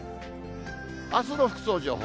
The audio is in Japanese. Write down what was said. あすの服装情報。